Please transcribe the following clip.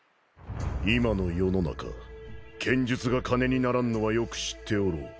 今の世の中剣術が金にならんのはよく知っておろう。